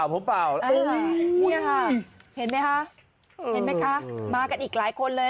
ผมเปล่าโอ๊ยนี่ค่ะเห็นไหมค่ะมากันอีกหลายคนเลย